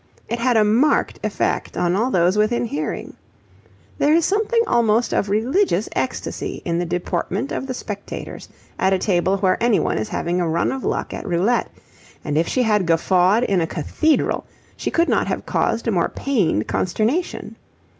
It had a marked effect on all those within hearing. There is something almost of religious ecstasy in the deportment of the spectators at a table where anyone is having a run of luck at roulette, and if she had guffawed in a cathedral she could not have caused a more pained consternation.